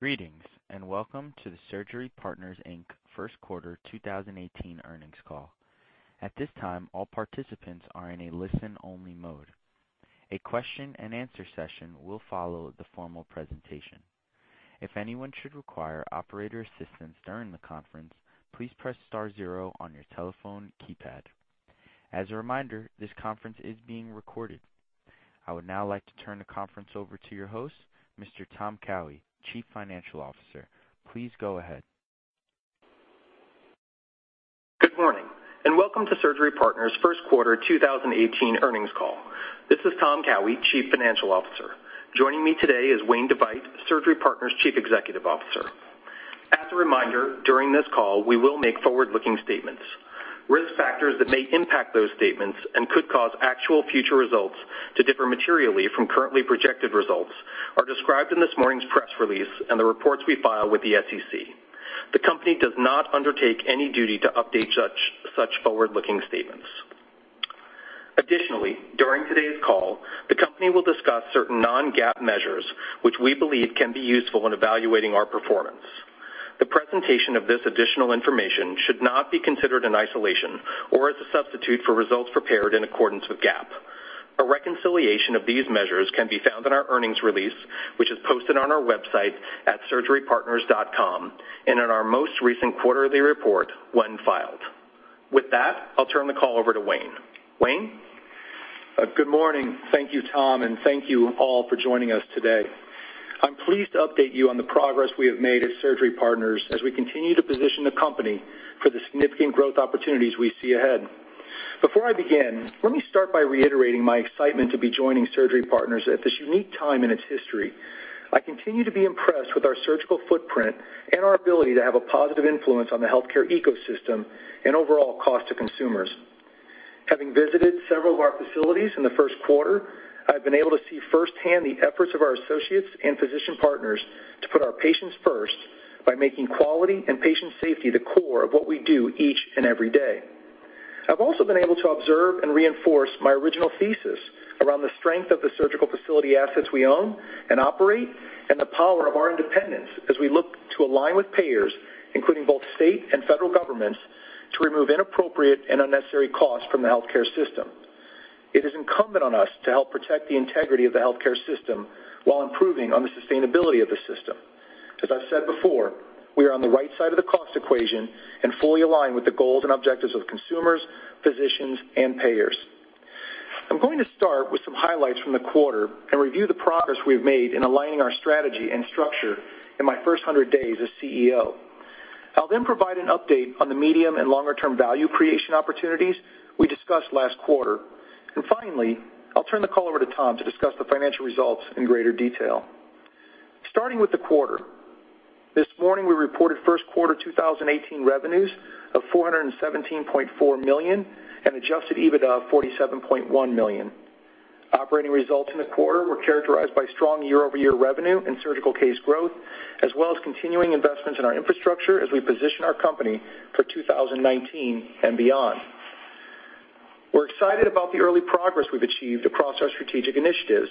Greetings. Welcome to the Surgery Partners, Inc. first quarter 2018 earnings call. At this time, all participants are in a listen-only mode. A question and answer session will follow the formal presentation. If anyone should require operator assistance during the conference, please press star zero on your telephone keypad. As a reminder, this conference is being recorded. I would now like to turn the conference over to your host, Mr. Tom Cowhey, Chief Financial Officer. Please go ahead. Good morning. Welcome to Surgery Partners' first quarter 2018 earnings call. This is Tom Cowhey, Chief Financial Officer. Joining me today is Wayne DeVeydt, Surgery Partners' Chief Executive Officer. As a reminder, during this call, we will make forward-looking statements. Risk factors that may impact those statements and could cause actual future results to differ materially from currently projected results are described in this morning's press release and the reports we file with the SEC. The company does not undertake any duty to update such forward-looking statements. Additionally, during today's call, the company will discuss certain non-GAAP measures which we believe can be useful in evaluating our performance. The presentation of this additional information should not be considered in isolation or as a substitute for results prepared in accordance with GAAP. A reconciliation of these measures can be found in our earnings release, which is posted on our website at surgerypartners.com and in our most recent quarterly report when filed. With that, I'll turn the call over to Wayne. Wayne? Good morning. Thank you, Tom. Thank you all for joining us today. I'm pleased to update you on the progress we have made at Surgery Partners as we continue to position the company for the significant growth opportunities we see ahead. Before I begin, let me start by reiterating my excitement to be joining Surgery Partners at this unique time in its history. I continue to be impressed with our surgical footprint and our ability to have a positive influence on the healthcare ecosystem and overall cost to consumers. Having visited several of our facilities in the first quarter, I've been able to see firsthand the efforts of our associates and physician partners to put our patients first by making quality and patient safety the core of what we do each and every day. I've also been able to observe and reinforce my original thesis around the strength of the surgical facility assets we own and operate and the power of our independence as we look to align with payers, including both state and federal governments, to remove inappropriate and unnecessary costs from the healthcare system. It is incumbent on us to help protect the integrity of the healthcare system while improving on the sustainability of the system. As I've said before, we are on the right side of the cost equation and fully aligned with the goals and objectives of consumers, physicians, and payers. I'm going to start with some highlights from the quarter and review the progress we've made in aligning our strategy and structure in my first 100 days as CEO. I'll then provide an update on the medium and longer-term value creation opportunities we discussed last quarter. Finally, I'll turn the call over to Tom to discuss the financial results in greater detail. Starting with the quarter, this morning we reported first quarter 2018 revenues of $417.4 million and adjusted EBITDA of $47.1 million. Operating results in the quarter were characterized by strong year-over-year revenue and surgical case growth, as well as continuing investments in our infrastructure as we position our company for 2019 and beyond. We're excited about the early progress we've achieved across our strategic initiatives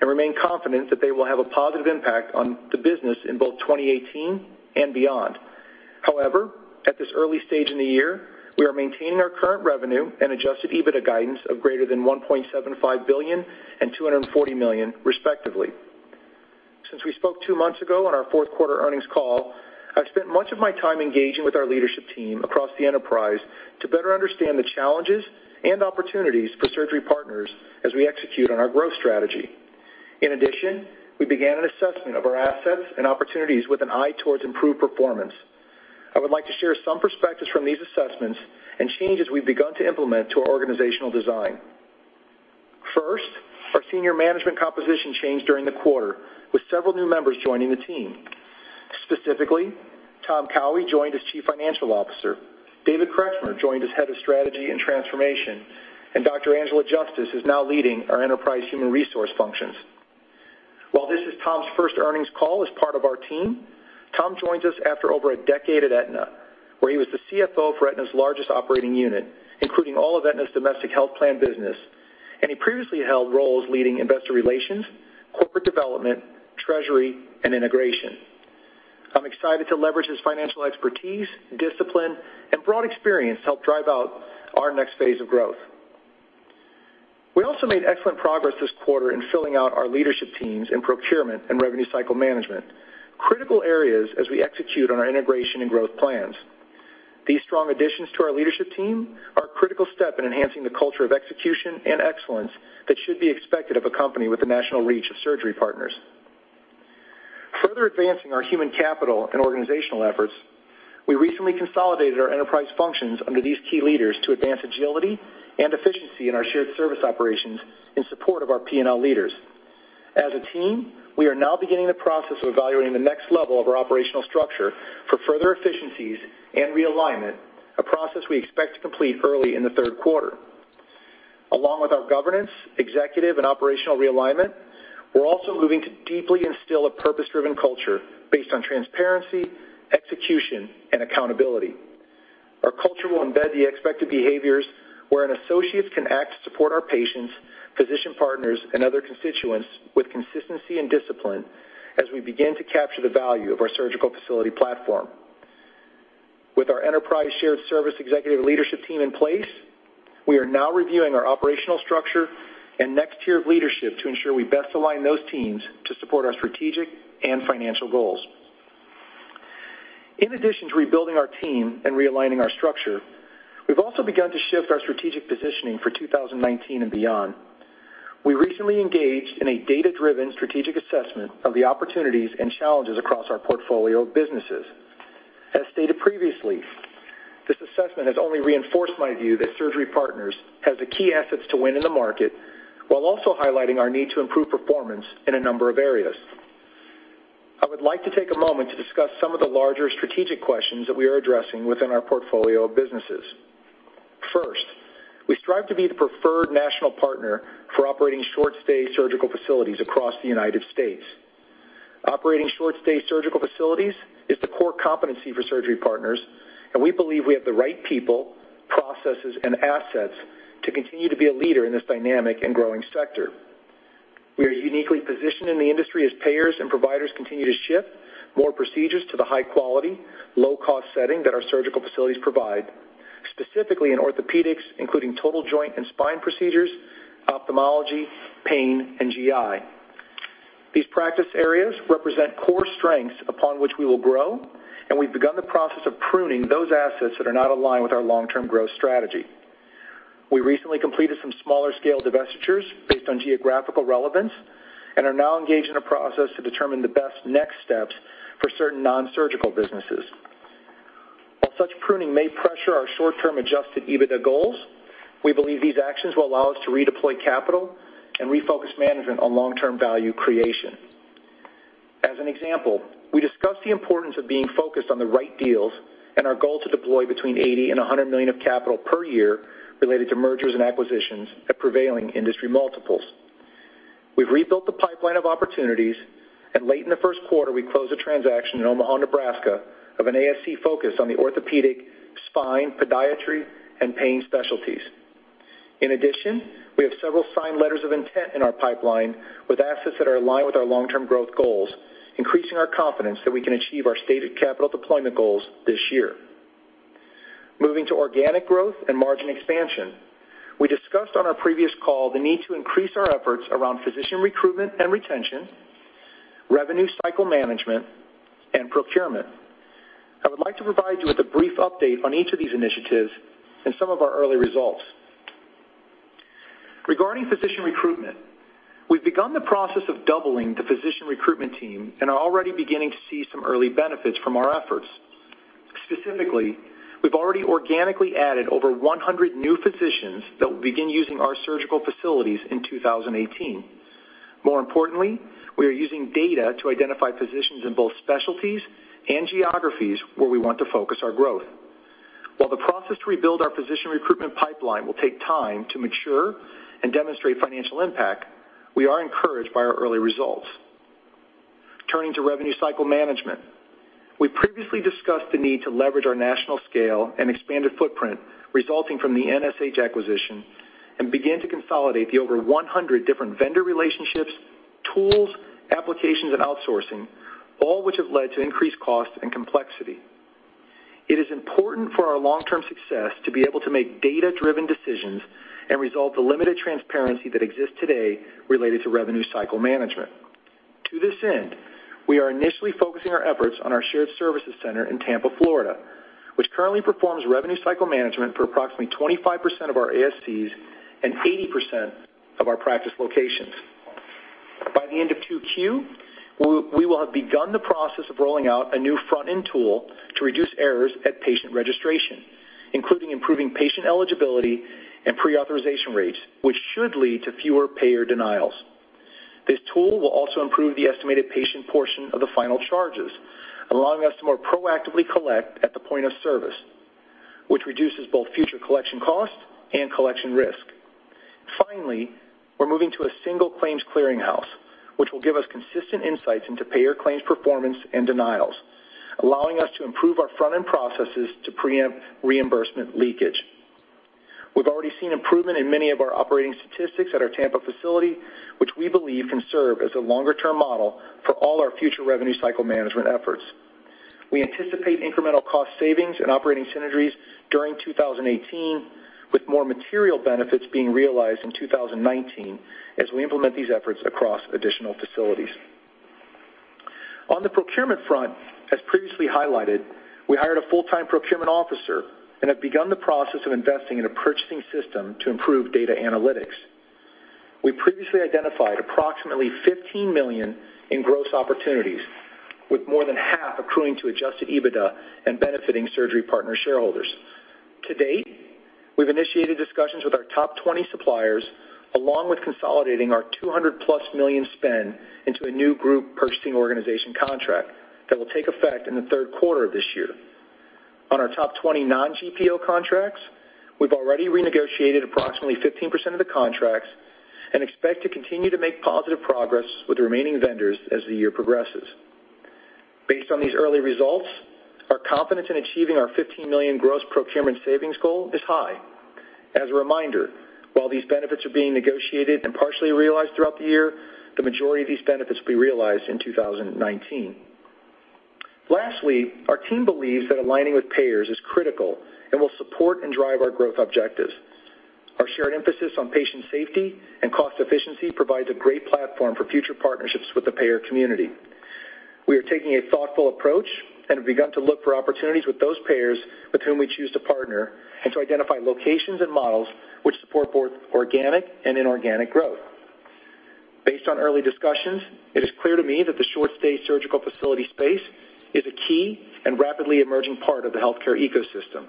and remain confident that they will have a positive impact on the business in both 2018 and beyond. However, at this early stage in the year, we are maintaining our current revenue and adjusted EBITDA guidance of greater than $1.75 billion and $240 million respectively. Since we spoke two months ago on our fourth quarter earnings call, I've spent much of my time engaging with our leadership team across the enterprise to better understand the challenges and opportunities for Surgery Partners as we execute on our growth strategy. In addition, we began an assessment of our assets and opportunities with an eye towards improved performance. I would like to share some perspectives from these assessments and changes we've begun to implement to our organizational design. First, our senior management composition changed during the quarter, with several new members joining the team. Specifically, Tom Cowhey joined as Chief Financial Officer, David Kretschmer joined as Head of Strategy and Transformation, and Dr. Angela Justice is now leading our enterprise human resource functions. While this is Tom's first earnings call as part of our team, Tom joins us after over a decade at Aetna, where he was the CFO for Aetna's largest operating unit, including all of Aetna's domestic health plan business, and he previously held roles leading investor relations, corporate development, treasury, and integration. I'm excited to leverage his financial expertise, discipline, and broad experience to help drive out our next phase of growth. We also made excellent progress this quarter in filling out our leadership teams in procurement and revenue cycle management, critical areas as we execute on our integration and growth plans. These strong additions to our leadership team are a critical step in enhancing the culture of execution and excellence that should be expected of a company with the national reach of Surgery Partners. Further advancing our human capital and organizational efforts, we recently consolidated our enterprise functions under these key leaders to advance agility and efficiency in our shared service operations in support of our P&L leaders. As a team, we are now beginning the process of evaluating the next level of our operational structure for further efficiencies and realignment, a process we expect to complete early in the third quarter. Along with our governance, executive, and operational realignment, we're also moving to deeply instill a purpose-driven culture based on transparency, execution, and accountability. Our culture will embed the expected behaviors where associates can act to support our patients, physician partners, and other constituents with consistency and discipline as we begin to capture the value of our surgical facility platform. With our enterprise shared service executive leadership team in place, we are now reviewing our operational structure and next tier of leadership to ensure we best align those teams to support our strategic and financial goals. In addition to rebuilding our team and realigning our structure, we've also begun to shift our strategic positioning for 2019 and beyond. We recently engaged in a data-driven strategic assessment of the opportunities and challenges across our portfolio of businesses. As stated previously, this assessment has only reinforced my view that Surgery Partners has the key assets to win in the market while also highlighting our need to improve performance in a number of areas. I would like to take a moment to discuss some of the larger strategic questions that we are addressing within our portfolio of businesses. First, we strive to be the preferred national partner for operating short-stay surgical facilities across the United States. Operating short-stay surgical facilities is the core competency for Surgery Partners, and we believe we have the right people, processes, and assets to continue to be a leader in this dynamic and growing sector. We are uniquely positioned in the industry as payers and providers continue to shift more procedures to the high-quality, low-cost setting that our surgical facilities provide, specifically in orthopedics, including total joint and spine procedures, ophthalmology, pain, and GI. These practice areas represent core strengths upon which we will grow, and we've begun the process of pruning those assets that are not aligned with our long-term growth strategy. We recently completed some smaller scale divestitures based on geographical relevance and are now engaged in a process to determine the best next steps for certain non-surgical businesses. While such pruning may pressure our short-term adjusted EBITDA goals, we believe these actions will allow us to redeploy capital and refocus management on long-term value creation. As an example, we discussed the importance of being focused on the right deals and our goal to deploy between $80 million and $100 million of capital per year related to mergers and acquisitions at prevailing industry multiples. We've rebuilt the pipeline of opportunities, and late in the first quarter, we closed a transaction in Omaha, Nebraska, of an ASC focused on the orthopedic, spine, podiatry, and pain specialties. In addition, we have several signed letters of intent in our pipeline with assets that are aligned with our long-term growth goals, increasing our confidence that we can achieve our stated capital deployment goals this year. Moving to organic growth and margin expansion, we discussed on our previous call the need to increase our efforts around physician recruitment and retention, revenue cycle management, and procurement. I would like to provide you with a brief update on each of these initiatives and some of our early results. Regarding physician recruitment, we've begun the process of doubling the physician recruitment team and are already beginning to see some early benefits from our efforts. Specifically, we've already organically added over 100 new physicians that will begin using our surgical facilities in 2018. More importantly, we are using data to identify physicians in both specialties and geographies where we want to focus our growth. While the process to rebuild our physician recruitment pipeline will take time to mature and demonstrate financial impact, we are encouraged by our early results. Turning to revenue cycle management, we previously discussed the need to leverage our national scale and expanded footprint resulting from the NSH acquisition and begin to consolidate the over 100 different vendor relationships, tools, applications, and outsourcing, all which have led to increased cost and complexity. It is important for our long-term success to be able to make data-driven decisions and resolve the limited transparency that exists today related to revenue cycle management. To this end, we are initially focusing our efforts on our shared services center in Tampa, Florida, which currently performs revenue cycle management for approximately 25% of our ASCs and 80% of our practice locations. By the end of 2Q, we will have begun the process of rolling out a new front-end tool to reduce errors at patient registration, including improving patient eligibility and pre-authorization rates, which should lead to fewer payer denials. This tool will also improve the estimated patient portion of the final charges, allowing us to more proactively collect at the point of service, which reduces both future collection costs and collection risk. Finally, we're moving to a single claims clearinghouse, which will give us consistent insights into payer claims performance and denials, allowing us to improve our front-end processes to preempt reimbursement leakage. We've already seen improvement in many of our operating statistics at our Tampa facility, which we believe can serve as a longer-term model for all our future revenue cycle management efforts. We anticipate incremental cost savings and operating synergies during 2018, with more material benefits being realized in 2019 as we implement these efforts across additional facilities. On the procurement front, as previously highlighted, we hired a full-time procurement officer and have begun the process of investing in a purchasing system to improve data analytics. We previously identified approximately $15 million in gross opportunities with more than half accruing to adjusted EBITDA and benefiting Surgery Partners shareholders. To date, we've initiated discussions with our top 20 suppliers, along with consolidating our $200-plus million spend into a new group purchasing organization contract that will take effect in the third quarter of this year. On our top 20 non-GPO contracts, we've already renegotiated approximately 15% of the contracts and expect to continue to make positive progress with the remaining vendors as the year progresses. Based on these early results, our confidence in achieving our $15 million gross procurement savings goal is high. As a reminder, while these benefits are being negotiated and partially realized throughout the year, the majority of these benefits will be realized in 2019. Lastly, our team believes that aligning with payers is critical and will support and drive our growth objectives. Our shared emphasis on patient safety and cost efficiency provides a great platform for future partnerships with the payer community. We are taking a thoughtful approach and have begun to look for opportunities with those payers with whom we choose to partner and to identify locations and models which support both organic and inorganic growth. Based on early discussions, it is clear to me that the short stay surgical facility space is a key and rapidly emerging part of the healthcare ecosystem.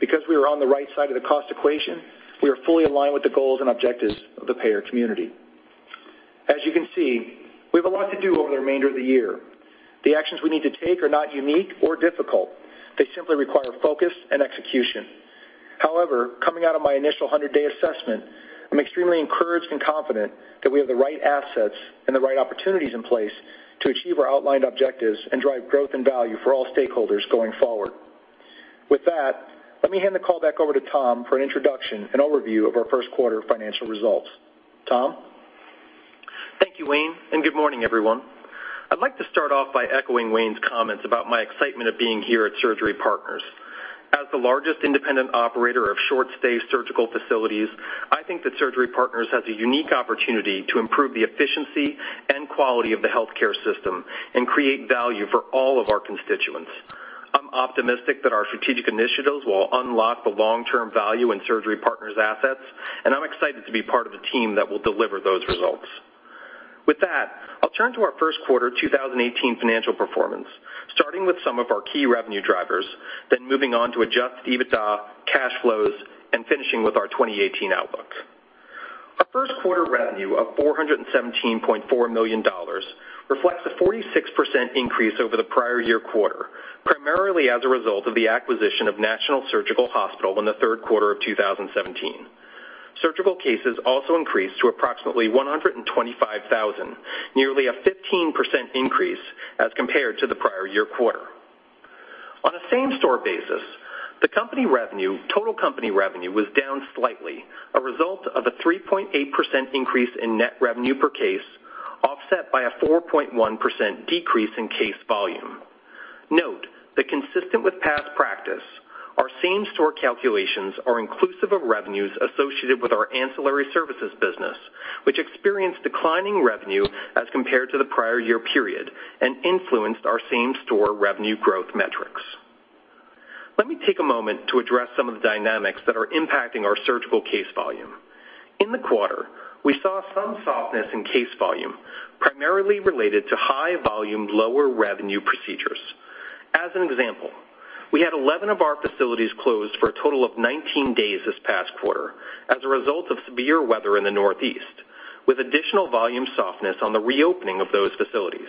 Because we are on the right side of the cost equation, we are fully aligned with the goals and objectives of the payer community. As you can see, we have a lot to do over the remainder of the year. The actions we need to take are not unique or difficult. They simply require focus and execution. Coming out of my initial 100-day assessment, I'm extremely encouraged and confident that we have the right assets and the right opportunities in place to achieve our outlined objectives and drive growth and value for all stakeholders going forward. With that, let me hand the call back over to Tom for an introduction and overview of our first quarter financial results. Tom? Thank you, Wayne, and good morning, everyone. I'd like to start off by echoing Wayne's comments about my excitement of being here at Surgery Partners. As the largest independent operator of short stay surgical facilities, I think that Surgery Partners has a unique opportunity to improve the efficiency and quality of the healthcare system and create value for all of our constituents. I'm optimistic that our strategic initiatives will unlock the long-term value in Surgery Partners' assets, and I'm excited to be part of a team that will deliver those results. With that, I'll turn to our first quarter 2018 financial performance, starting with some of our key revenue drivers, then moving on to adjusted EBITDA, cash flows, and finishing with our 2018 outlook. Our first quarter revenue of $417.4 million reflects a 46% increase over the prior year quarter, primarily as a result of the acquisition of National Surgical Healthcare in the third quarter of 2017. Surgical cases also increased to approximately 125,000, nearly a 15% increase as compared to the prior year quarter. On a same-store basis, the total company revenue was down slightly, a result of a 3.8% increase in net revenue per case, offset by a 4.1% decrease in case volume. Note that consistent with past practice, our same-store calculations are inclusive of revenues associated with our ancillary services business, which experienced declining revenue as compared to the prior year period and influenced our same-store revenue growth metrics. Let me take a moment to address some of the dynamics that are impacting our surgical case volume. In the quarter, we saw some softness in case volume, primarily related to high volume, lower revenue procedures. As an example, we had 11 of our facilities closed for a total of 19 days this past quarter as a result of severe weather in the Northeast, with additional volume softness on the reopening of those facilities.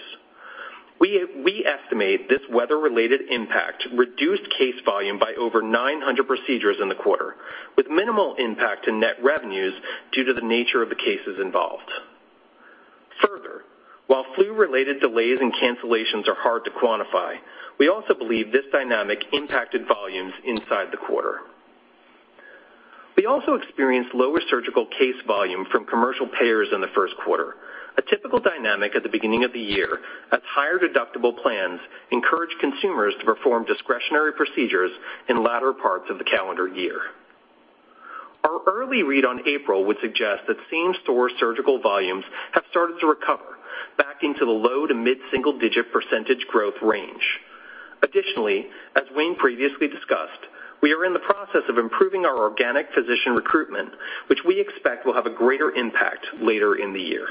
We estimate this weather-related impact reduced case volume by over 900 procedures in the quarter, with minimal impact to net revenues due to the nature of the cases involved. While flu-related delays and cancellations are hard to quantify, we also believe this dynamic impacted volumes inside the quarter. We also experienced lower surgical case volume from commercial payers in the first quarter, a typical dynamic at the beginning of the year as higher deductible plans encourage consumers to perform discretionary procedures in latter parts of the calendar year. Our early read on April would suggest that same-store surgical volumes have started to recover, back into the low to mid-single digit % growth range. As Wayne previously discussed, we are in the process of improving our organic physician recruitment, which we expect will have a greater impact later in the year.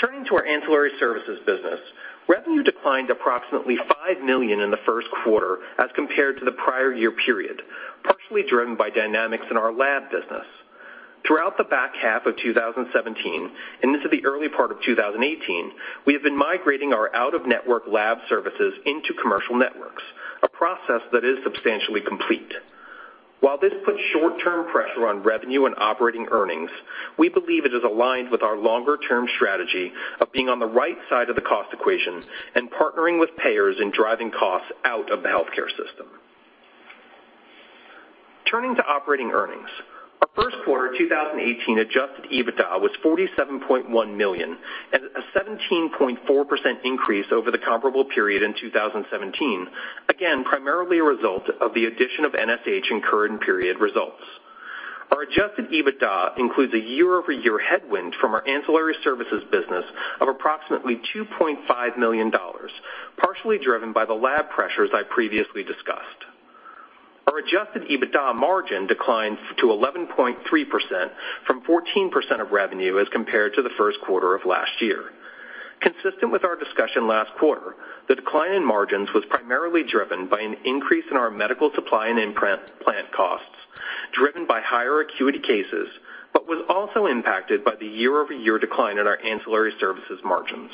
Turning to our ancillary services business, revenue declined approximately $5 million in the first quarter as compared to the prior year period, partially driven by dynamics in our lab business. Throughout the back half of 2017 and into the early part of 2018, we have been migrating our out-of-network lab services into commercial networks, a process that is substantially complete. This puts short-term pressure on revenue and operating earnings, we believe it is aligned with our longer-term strategy of being on the right side of the cost equation and partnering with payers in driving costs out of the healthcare system. Turning to operating earnings, our first quarter 2018 adjusted EBITDA was $47.1 million, a 17.4% increase over the comparable period in 2017, again, primarily a result of the addition of NSH in current period results. Our adjusted EBITDA includes a year-over-year headwind from our ancillary services business of approximately $2.5 million, partially driven by the lab pressures I previously discussed. Our adjusted EBITDA margin declined to 11.3% from 14% of revenue as compared to the first quarter of last year. Consistent with our discussion last quarter, the decline in margins was primarily driven by an increase in our medical supply and implant costs, driven by higher acuity cases, was also impacted by the year-over-year decline in our ancillary services margins.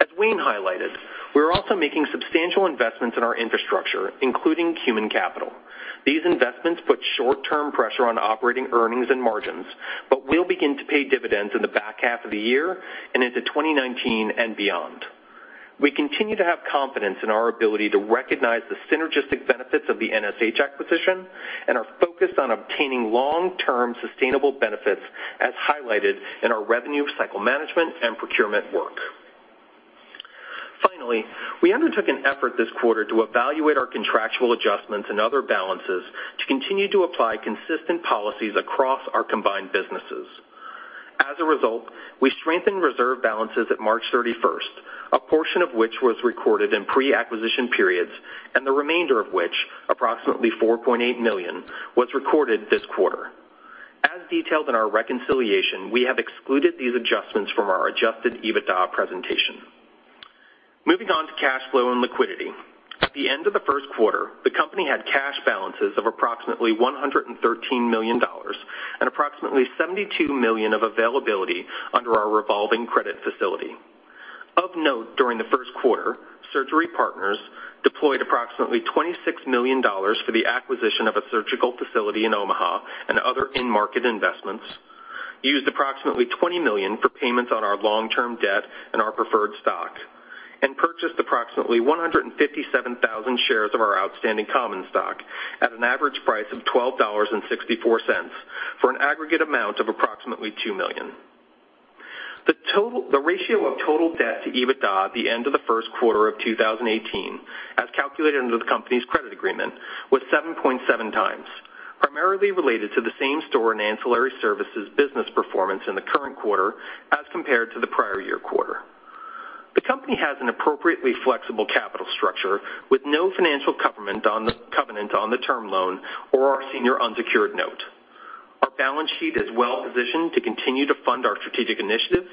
As Wayne highlighted, we are also making substantial investments in our infrastructure, including human capital. These investments put short-term pressure on operating earnings and margins, will begin to pay dividends in the back half of the year and into 2019 and beyond. We continue to have confidence in our ability to recognize the synergistic benefits of the NSH acquisition and are focused on obtaining long-term sustainable benefits, as highlighted in our revenue cycle management and procurement work. We undertook an effort this quarter to evaluate our contractual adjustments and other balances to continue to apply consistent policies across our combined businesses. As a result, we strengthened reserve balances at March 31st, a portion of which was recorded in pre-acquisition periods, and the remainder of which, approximately $4.8 million, was recorded this quarter. As detailed in our reconciliation, we have excluded these adjustments from our adjusted EBITDA presentation. Moving on to cash flow and liquidity. At the end of the first quarter, the company had cash balances of approximately $113 million and approximately $72 million of availability under our revolving credit facility. Of note, during the first quarter, Surgery Partners deployed approximately $26 million for the acquisition of a surgical facility in Omaha and other in-market investments, used approximately $20 million for payments on our long-term debt and our preferred stock, and purchased approximately 157,000 shares of our outstanding common stock at an average price of $12.64, for an aggregate amount of approximately $2 million. The ratio of total debt to EBITDA at the end of the first quarter of 2018, as calculated under the company's credit agreement, was 7.7 times, primarily related to the same-store and ancillary services business performance in the current quarter as compared to the prior year quarter. The company has an appropriately flexible capital structure with no financial covenant on the term loan or our senior unsecured note. Our balance sheet is well-positioned to continue to fund our strategic initiatives,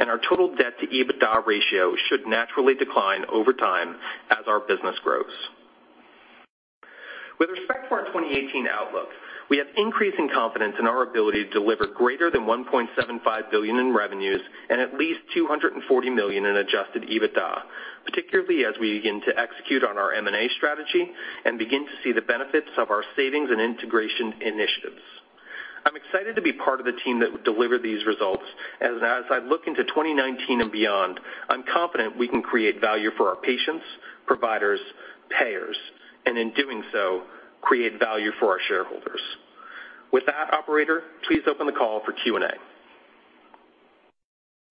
and our total debt to EBITDA ratio should naturally decline over time as our business grows. With respect to our 2018 outlook, we have increasing confidence in our ability to deliver greater than $1.75 billion in revenues and at least $240 million in adjusted EBITDA, particularly as we begin to execute on our M&A strategy and begin to see the benefits of our savings and integration initiatives. I'm excited to be part of the team that will deliver these results. As I look into 2019 and beyond, I'm confident we can create value for our patients, providers, payers. In doing so, create value for our shareholders. With that, operator, please open the call for Q&A.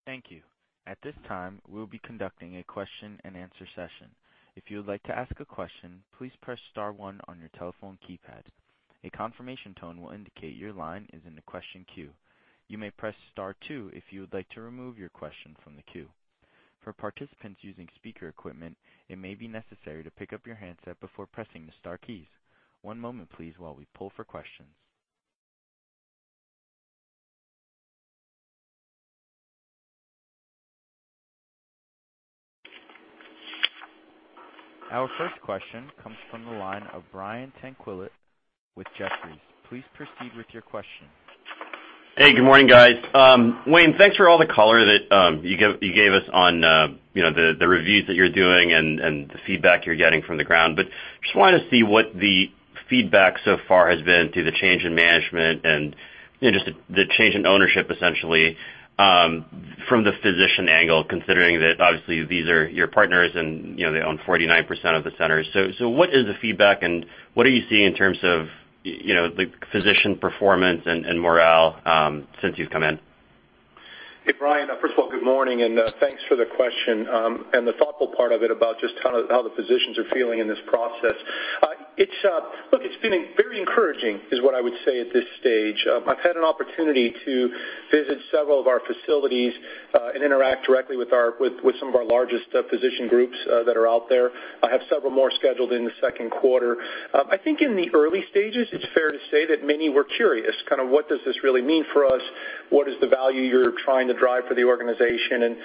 Thank you. At this time, we will be conducting a question and answer session. If you would like to ask a question, please press *1 on your telephone keypad. A confirmation tone will indicate your line is in the question queue. You may press *2 if you would like to remove your question from the queue. For participants using speaker equipment, it may be necessary to pick up your handset before pressing the star keys. One moment, please, while we pull for questions. Our first question comes from the line of Brian Tanquilut with Jefferies. Please proceed with your question. Hey, good morning, guys. Wayne, thanks for all the color that you gave us on the reviews that you're doing and the feedback you're getting from the ground. Just wanted to see what the feedback so far has been through the change in management and just the change in ownership, essentially, from the physician angle, considering that obviously these are your partners and they own 49% of the center. What is the feedback and what are you seeing in terms of the physician performance and morale since you've come in? Hey, Brian, first of all, good morning, and thanks for the question, and the thoughtful part of it about just how the physicians are feeling in this process. Look, it's been very encouraging, is what I would say at this stage. I've had an opportunity to visit several of our facilities and interact directly with some of our largest physician groups that are out there. I have several more scheduled in the second quarter. I think in the early stages, it's fair to say that many were curious, kind of what does this really mean for us? What is the value you're trying to drive for the organization?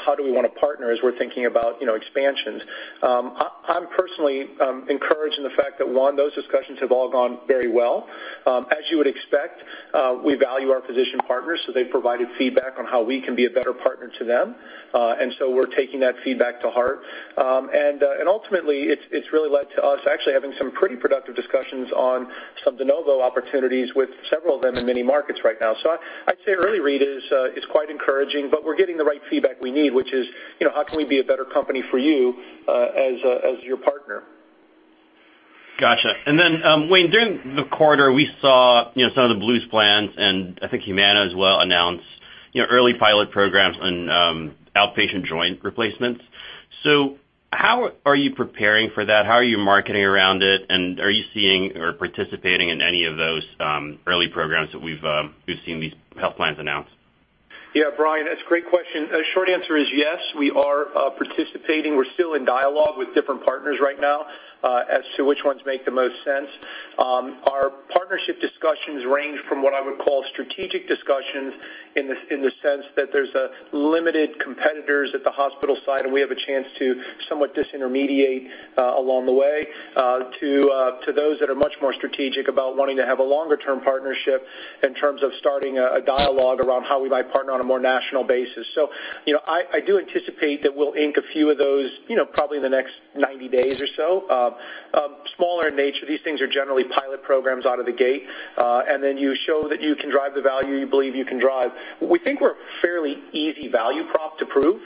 How do we want to partner as we're thinking about expansions? I'm personally encouraged in the fact that, one, those discussions have all gone very well. As you would expect, we value our physician partners, they've provided feedback on how we can be a better partner to them. We're taking that feedback to heart. Ultimately, it's really led to us actually having some pretty productive discussions on some de novo opportunities with several of them in many markets right now. I'd say early read is quite encouraging, we're getting the right feedback we need, which is, how can we be a better company for you as your partner? Got you. Wayne, during the quarter, we saw some of the Blues plans, and I think Humana as well, announce early pilot programs and outpatient joint replacements. How are you preparing for that? How are you marketing around it? Are you seeing or participating in any of those early programs that we've seen these health plans announce? Brian, that's a great question. Short answer is yes, we are participating. We're still in dialogue with different partners right now as to which ones make the most sense. Our partnership discussions range from what I would call strategic discussions in the sense that there's limited competitors at the hospital site, and we have a chance to somewhat disintermediate along the way, to those that are much more strategic about wanting to have a longer-term partnership in terms of starting a dialogue around how we might partner on a more national basis. I do anticipate that we'll ink a few of those, probably in the next 90 days or so. Smaller in nature. These things are generally pilot programs out of the gate, and then you show that you can drive the value you believe you can drive. We think we're a fairly easy value prop to prove,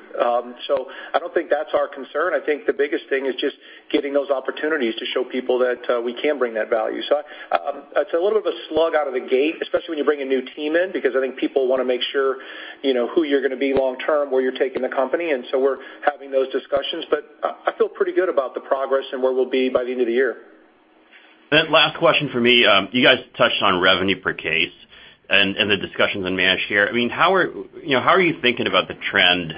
so I don't think that's our concern. I think the biggest thing is just getting those opportunities to show people that we can bring that value. It's a little bit of a slug out of the gate, especially when you bring a new team in, because I think people want to make sure who you're going to be long term, where you're taking the company, we're having those discussions. I feel pretty good about the progress and where we'll be by the end of the year. Last question for me. You guys touched on revenue per case and the discussions on managed care. How are you thinking about the trend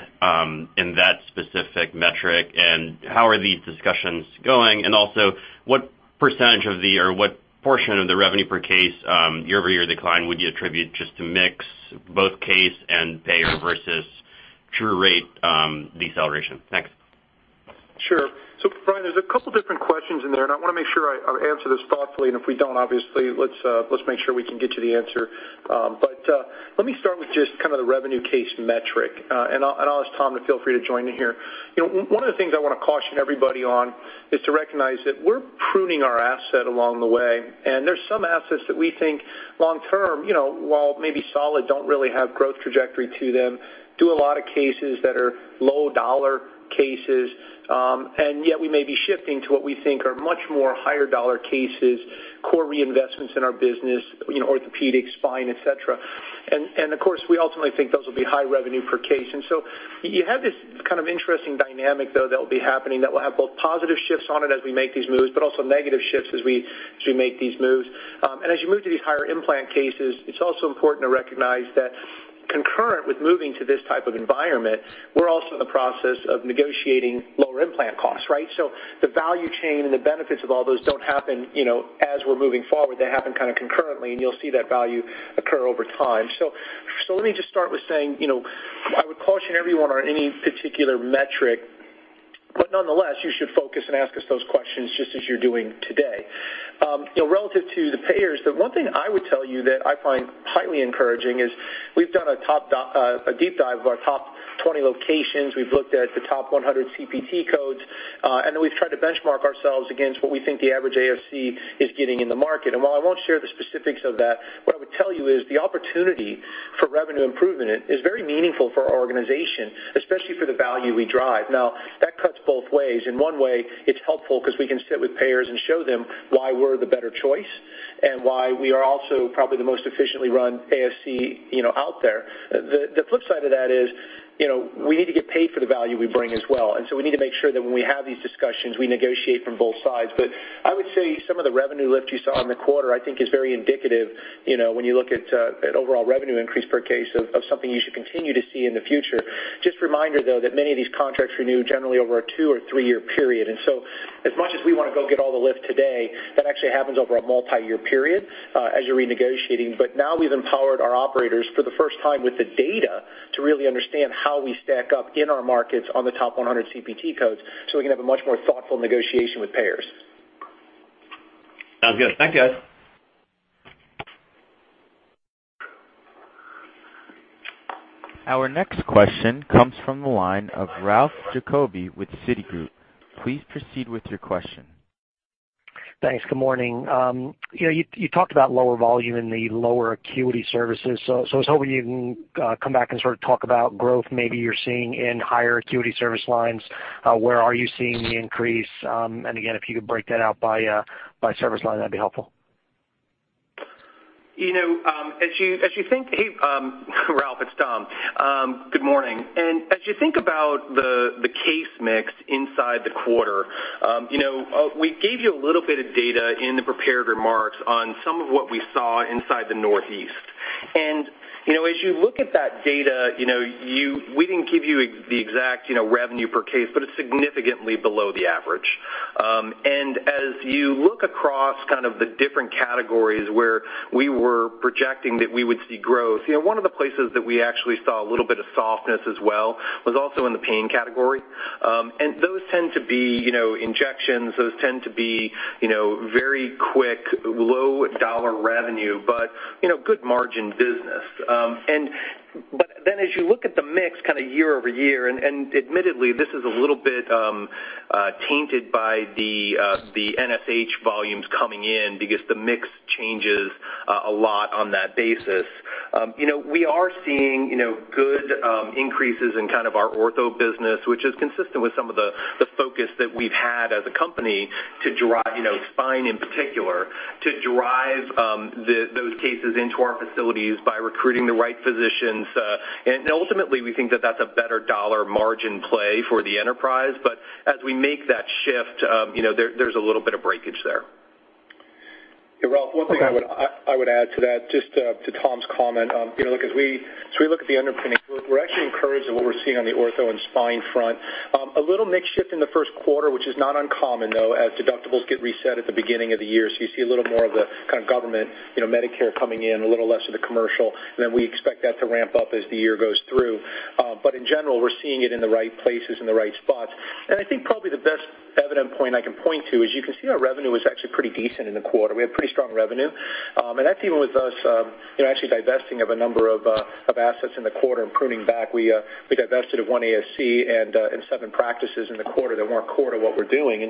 in that specific metric, and how are these discussions going? What % of the, or what portion of the revenue per case year-over-year decline would you attribute just to mix, both case and payer versus true rate deceleration? Thanks. Sure. Brian, there's a couple different questions in there, and I want to make sure I answer this thoughtfully, and if we don't, obviously let's make sure we can get you the answer. Let me start with just the revenue per case metric. I'll ask Tom to feel free to join in here. One of the things I want to caution everybody on is to recognize that we're pruning our asset along the way, and there's some assets that we think long term, while maybe solid, don't really have growth trajectory to them, do a lot of cases that are low dollar cases, and yet we may be shifting to what we think are much more higher dollar cases, core reinvestments in our business, orthopedics, spine, et cetera. Of course, we ultimately think those will be high revenue per case. You have this interesting dynamic, though, that will be happening that will have both positive shifts on it as we make these moves, but also negative shifts as we make these moves. As you move to these higher implant cases, it's also important to recognize that concurrent with moving to this type of environment, we're also in the process of negotiating lower implant costs, right? The value chain and the benefits of all those don't happen as we're moving forward. They happen kind of concurrently, and you'll see that value occur over time. Let me just start with saying, I would caution everyone on any particular metric, but nonetheless, you should focus and ask us those questions just as you're doing today. Relative to the payers, the one thing I would tell you that I find highly encouraging is we've done a deep dive of our top 20 locations. We've looked at the top 100 CPT codes, then we've tried to benchmark ourselves against what we think the average ASC is getting in the market. While I won't share the specifics of that, what I would tell you is the opportunity for revenue improvement is very meaningful for our organization, especially for the value we drive. Now, that cuts both ways. In one way, it's helpful because we can sit with payers and show them why we're the better choice, and why we are also probably the most efficiently run ASC out there. The flip side of that is, we need to get paid for the value we bring as well, we need to make sure that when we have these discussions, we negotiate from both sides. I would say some of the revenue lift you saw in the quarter, I think is very indicative, when you look at overall revenue increase per case of something you should continue to see in the future. Just a reminder, though, that many of these contracts renew generally over a two or three-year period. As much as we want to go get all the lift today, that actually happens over a multi-year period as you're renegotiating. Now we've empowered our operators for the first time with the data to really understand how we stack up in our markets on the top 100 CPT codes we can have a much more thoughtful negotiation with payers. Sounds good. Thanks, guys. Our next question comes from the line of Ralph Jacoby with Citigroup. Please proceed with your question. Thanks. Good morning. You talked about lower volume in the lower acuity services, I was hoping you can come back and sort of talk about growth maybe you're seeing in higher acuity service lines. Where are you seeing the increase? Again, if you could break that out by service line, that'd be helpful. Ralph, it's Tom. Good morning. As you think about the case mix inside the quarter, we gave you a little bit of data in the prepared remarks on some of what we saw inside the Northeast. As you look at that data, we didn't give you the exact revenue per case, but it's significantly below the average. As you look across the different categories where we were projecting that we would see growth, one of the places that we actually saw a little bit of softness as well was also in the pain category. Those tend to be injections. Those tend to be very quick, low dollar revenue, but good margin business. As you look at the mix year-over-year, and admittedly, this is a little bit tainted by the NSH volumes coming in because the mix changes a lot on that basis. We are seeing good increases in our ortho business, which is consistent with some of the focus that we've had as a company to drive spine in particular, to drive those cases into our facilities by recruiting the right physicians. Ultimately, we think that that's a better dollar margin play for the enterprise, but as we make that shift, there's a little bit of breakage there. Yeah, Ralph, one thing I would add to that, just to Tom's comment. As we look at the underpinnings, we're actually encouraged at what we're seeing on the ortho and spine front. A little mix shift in the first quarter, which is not uncommon, though, as deductibles get reset at the beginning of the year. You see a little more of the government Medicare coming in, a little less of the commercial, then we expect that to ramp up as the year goes through. In general, we're seeing it in the right places and the right spots. I think probably the best evidence point I can point to is you can see our revenue was actually pretty decent in the quarter. We had pretty strong revenue. That's even with us actually divesting of a number of assets in the quarter and pruning back. We divested of one ASC and seven practices in the quarter that weren't core to what we're doing.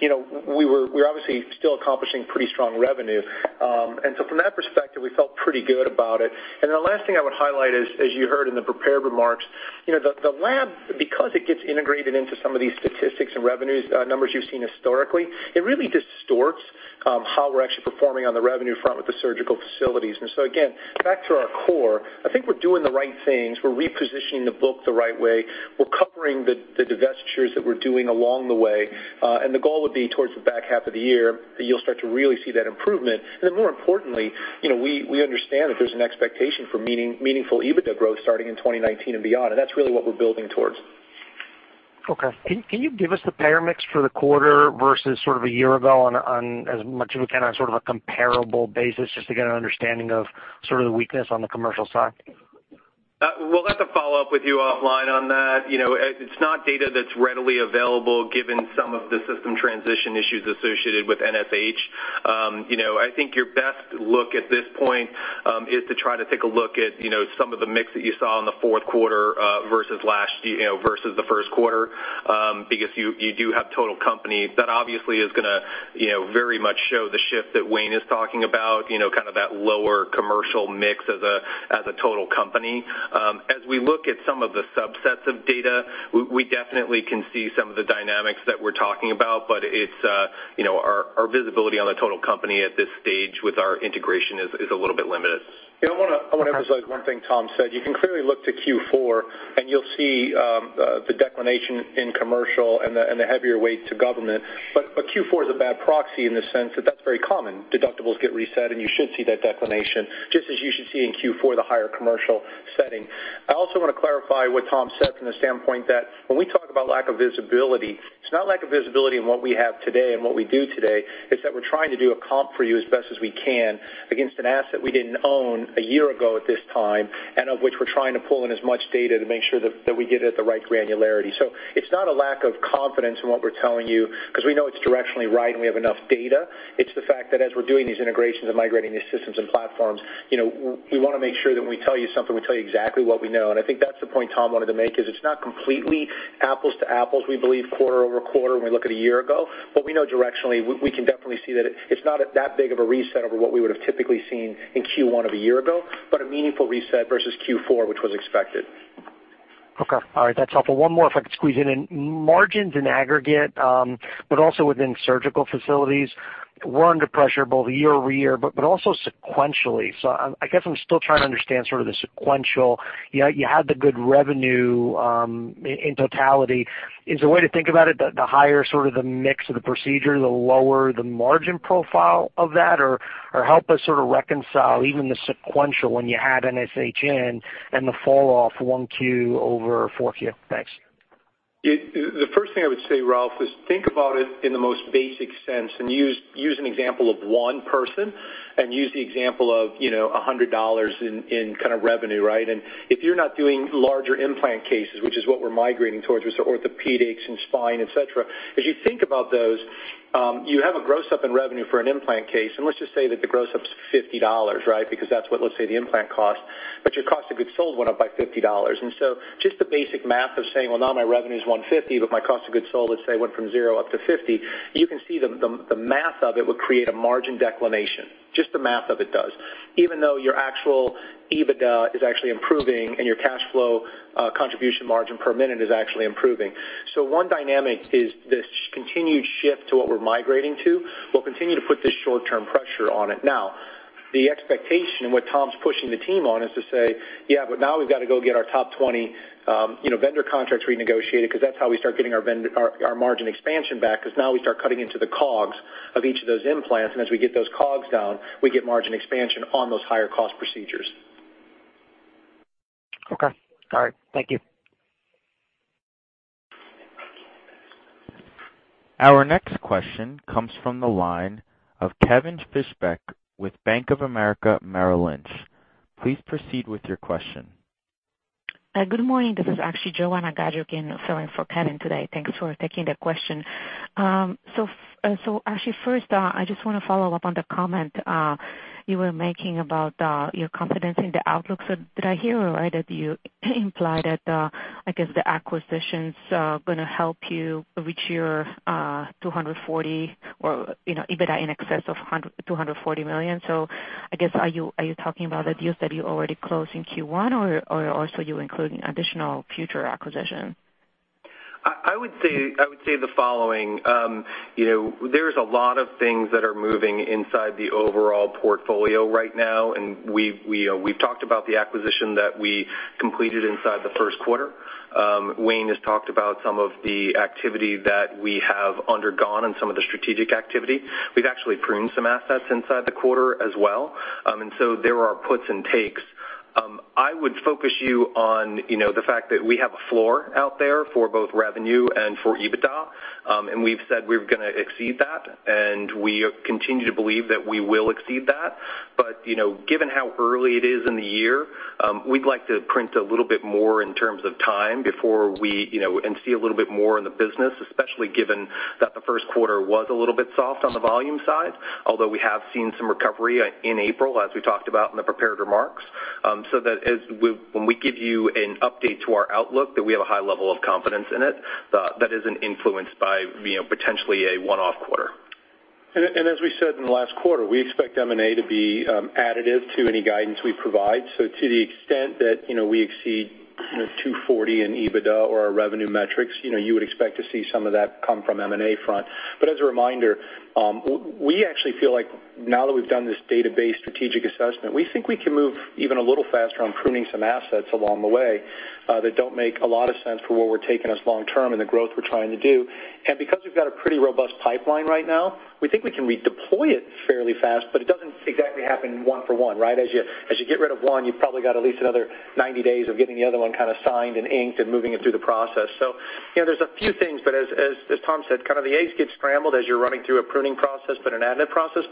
We're obviously still accomplishing pretty strong revenue. From that perspective, we felt pretty good about it. The last thing I would highlight is, as you heard in the prepared remarks, the lab, because it gets integrated into some of these statistics and revenues numbers you've seen historically, it really distorts how we're actually performing on the revenue front with the surgical facilities. Again, back to our core, I think we're doing the right things. We're repositioning the book the right way. We're covering the divestitures that we're doing along the way. The goal would be towards the back half of the year that you'll start to really see that improvement. More importantly, we understand that there's an expectation for meaningful EBITDA growth starting in 2019 and beyond. That's really what we're building towards. Okay. Can you give us the payer mix for the quarter versus sort of a year ago on as much of a kind of, sort of a comparable basis, just to get an understanding of sort of the weakness on the commercial side? We'll have to follow up with you offline on that. It's not data that's readily available given some of the system transition issues associated with NSH. I think your best look at this point, is to try to take a look at some of the mix that you saw in the fourth quarter versus the first quarter, because you do have total company. That obviously is going to very much show the shift that Wayne is talking about, kind of that lower commercial mix as a total company. As we look at some of the subsets of data, we definitely can see some of the dynamics that we're talking about, but our visibility on the total company at this stage with our integration is a little bit limited. I want to emphasize one thing Tom said. You can clearly look to Q4, you'll see the declination in commercial and the heavier weight to government. Q4 is a bad proxy in the sense that that's very common. Deductibles get reset, you should see that declination, just as you should see in Q4, the higher commercial setting. I also want to clarify what Tom said from the standpoint that when we talk about lack of visibility, it's not lack of visibility in what we have today and what we do today, it's that we're trying to do a comp for you as best as we can against an asset we didn't own a year ago at this time, of which we're trying to pull in as much data to make sure that we get it at the right granularity. It's not a lack of confidence in what we're telling you, because we know it's directionally right, and we have enough data. It's the fact that as we're doing these integrations and migrating these systems and platforms, we want to make sure that when we tell you something, we tell you exactly what we know. I think that's the point Tom wanted to make, is it's not completely apples to apples, we believe quarter-over-quarter when we look at a year ago. We know directionally, we can definitely see that it's not that big of a reset over what we would've typically seen in Q1 of a year ago, but a meaningful reset versus Q4, which was expected. Okay. All right. That's helpful. One more if I could squeeze it in. Margins in aggregate, but also within surgical facilities, were under pressure both year-over-year, but also sequentially. I guess I'm still trying to understand sort of the sequential. You had the good revenue in totality. Is the way to think about it the higher sort of the mix of the procedure, the lower the margin profile of that? Or help us sort of reconcile even the sequential when you add NSH in and the fall off Q1 over Q4. Thanks. The first thing I would say, Ralph, is think about it in the most basic sense and use an example of one person and use the example of $100 in kind of revenue, right? If you're not doing larger implant cases, which is what we're migrating towards with orthopedics and spine, et cetera, as you think about those, you have a gross up in revenue for an implant case. Let's just say that the gross up's $50, right? Because that's what, let's say, the implant costs. Your cost of goods sold went up by $50. Just the basic math of saying, well, now my revenue's $150, but my cost of goods sold, let's say, went from zero up to $50. You can see the math of it would create a margin declination. Just the math of it does. Even though your actual EBITDA is actually improving and your cash flow contribution margin per minute is actually improving. One dynamic is this continued shift to what we're migrating to, will continue to put this short-term pressure on it. The expectation and what Tom's pushing the team on is to say, "Now we've got to go get our top 20 vendor contracts renegotiated," because that's how we start getting our margin expansion back, because now we start cutting into the cogs of each of those implants, and as we get those cogs down, we get margin expansion on those higher cost procedures. Okay. All right. Thank you. Our next question comes from the line of Kevin Fischbeck with Bank of America Merrill Lynch. Please proceed with your question. Good morning. This is actually Joanna Gajuk again filling for Kevin today. Thanks for taking the question. Actually first, I just want to follow up on the comment you were making about your confidence in the outlook. Did I hear it right that you implied that, I guess the acquisitions are going to help you reach your $240 million or EBITDA in excess of $240 million? I guess are you talking about the deals that you already closed in Q1, or also you including additional future acquisition? I would say the following. There's a lot of things that are moving inside the overall portfolio right now, we've talked about the acquisition that we completed inside the first quarter. Wayne has talked about some of the activity that we have undergone and some of the strategic activity. We've actually pruned some assets inside the quarter as well. There are puts and takes. I would focus you on the fact that we have a floor out there for both revenue and for EBITDA, we've said we're going to exceed that, and we continue to believe that we will exceed that. Given how early it is in the year, we'd like to print a little bit more in terms of time and see a little bit more in the business, especially given that the first quarter was a little bit soft on the volume side, although we have seen some recovery in April, as we talked about in the prepared remarks. That when we give you an update to our outlook, that we have a high level of confidence in it, that isn't influenced by potentially a one-off quarter. As we said in the last quarter, we expect M&A to be additive to any guidance we provide. To the extent that we exceed 240 in EBITDA or our revenue metrics, you would expect to see some of that come from M&A front. As a reminder, we actually feel like now that we've done this data-based strategic assessment, we think we can move even a little faster on pruning some assets along the way that don't make a lot of sense for where we're taking us long term and the growth we're trying to do. Because we've got a pretty robust pipeline right now, we think we can redeploy it fairly fast, but it doesn't exactly happen one for one, right? As you get rid of one, you've probably got at least another 90 days of getting the other one kind of signed and inked and moving it through the process. There's a few things, but as Tom said, kind of the eggs get scrambled as you're running through a pruning process, but an additive process.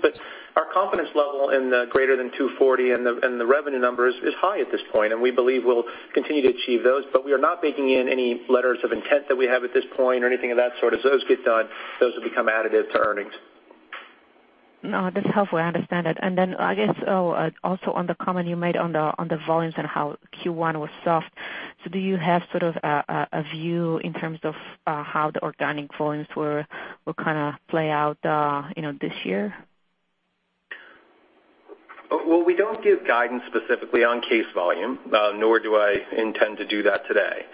Our confidence level in the greater than 240 and the revenue numbers is high at this point, and we believe we'll continue to achieve those. We are not baking in any letters of intent that we have at this point or anything of that sort. As those get done, those will become additive to earnings. No, that's helpful. I understand it. Then I guess also on the comment you made on the volumes and how Q1 was soft, do you have sort of a view in terms of how the organic volumes will kind of play out this year? We don't give guidance specifically on case volume, nor do I intend to do that today.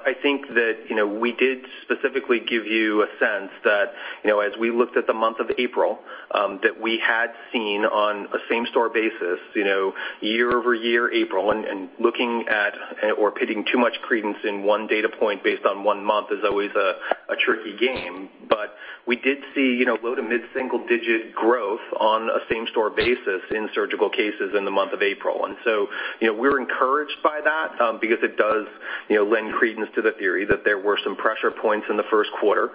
I think that we did specifically give you a sense that as we looked at the month of April, that we had seen on a same-store basis year-over-year April, and looking at or putting too much credence in one data point based on one month is always a tricky game. We did see low to mid-single digit growth on a same-store basis in surgical cases in the month of April. We're encouraged by that because it does lend credence to the theory that there were some pressure points in the first quarter,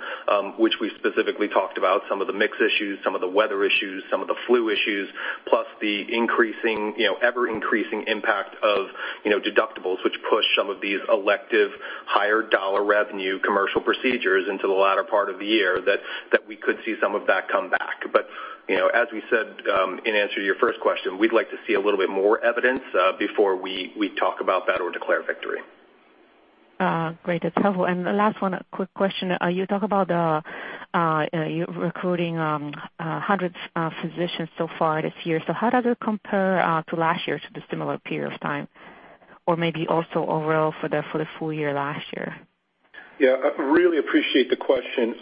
which we specifically talked about, some of the mix issues, some of the weather issues, some of the flu issues, plus the ever-increasing impact of deductibles, which push some of these elective higher dollar revenue commercial procedures into the latter part of the year that we could see some of that come back. As we said in answer to your first question, we'd like to see a little bit more evidence before we talk about that or declare victory. Great. That's helpful. The last one, a quick question. You talk about recruiting hundreds of physicians so far this year. How does it compare to last year to the similar period of time, or maybe also overall for the full year last year? I really appreciate the question.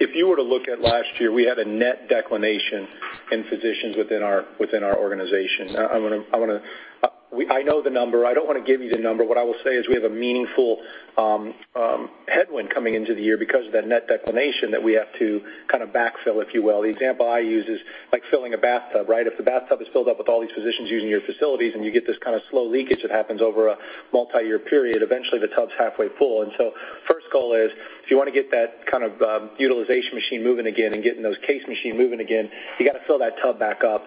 If you were to look at last year, we had a net declination in physicians within our organization. I know the number. I don't want to give you the number. What I will say is we have a meaningful headwind coming into the year because of that net declination that we have to kind of backfill, if you will. The example I use is like filling a bathtub, right? If the bathtub is filled up with all these physicians using your facilities and you get this kind of slow leakage that happens over a multi-year period, eventually the tub's halfway full. First goal is if you want to get that kind of utilization machine moving again and getting those case machine moving again, you got to fill that tub back up.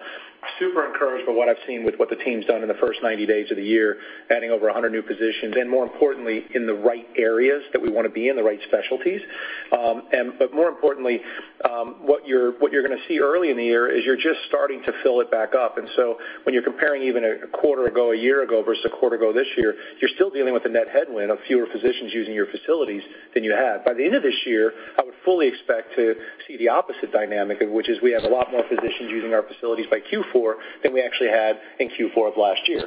Super encouraged by what I've seen with what the team's done in the first 90 days of the year, adding over 100 new physicians and more importantly, in the right areas that we want to be in, the right specialties. More importantly, what you're going to see early in the year is you're just starting to fill it back up. When you're comparing even a quarter ago a year ago versus a quarter ago this year, you're still dealing with a net headwind of fewer physicians using your facilities than you had. By the end of this year, I would fully expect to see the opposite dynamic, which is we have a lot more physicians using our facilities by Q4 than we actually had in Q4 of last year.